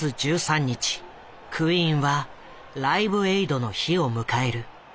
クイーンは「ライブエイド」の日を迎える。